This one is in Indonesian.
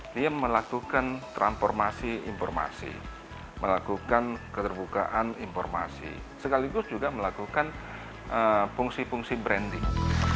dia melakukan transformasi informasi melakukan keterbukaan informasi sekaligus juga melakukan fungsi fungsi branding